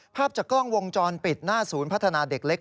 ภาพจากกล้องวงจรปิดหน้าศูนย์พัฒนาเด็กเล็ก